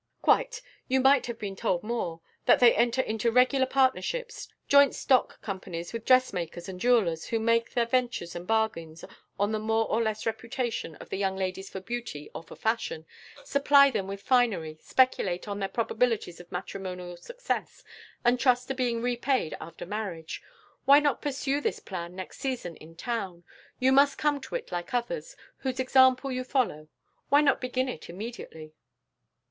"Quite. You might have been told more that they enter into regular partnerships, joint stock companies with dress makers and jewellers, who make their ventures and bargains on the more or less reputation of the young ladies for beauty or for fashion, supply them with finery, speculate on their probabilities of matrimonial success, and trust to being repaid after marriage. Why not pursue this plan next season in town? You must come to it like others, whose example you follow why not begin it immediately?"